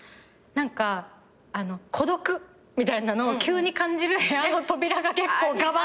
何か「孤独」みたいなのを急に感じる部屋の扉が結構ガバガバ。